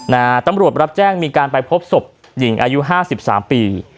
นะฮะตำรวจรับแจ้งมีการไปพบศพหญิงอายุห้าสิบสามปี